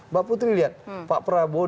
mbak putri lihat pak prabowo